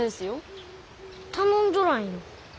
頼んじょらんよ。